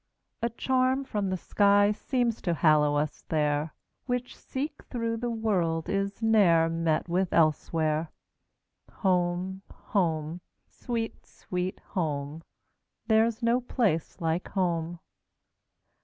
A charm from the sky seems to hallow us there, Which, seek through the world, is ne'er met with elsewhere. Home! home! sweet, sweet home! There 's no place like home!